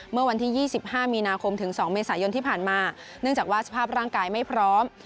เมื่อวันที่๒๕มีนาคมถึง๒เมษายนที่ผ่านมาเนื่องจากว่าสภาพร่างกายไม่พร้อม